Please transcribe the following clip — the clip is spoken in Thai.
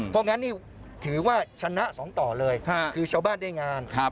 เพราะงั้นนี่ถือว่าชนะ๒ต่อเลยคือชาวบ้านได้งาน